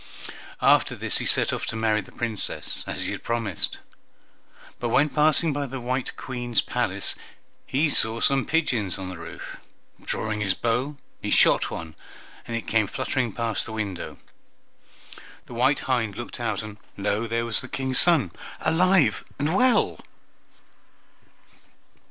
After this he set off to marry the Princess, as he had promised, but when passing by the white Queen's palace he saw some pigeons on the roof. Drawing his bow, he shot one, and it came fluttering past the window. The white hind looked out, and lo! there was the King's son alive and well.